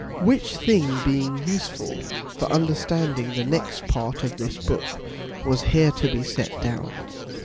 Which thing, being useful for understanding the next part of this Book, was here to be set down.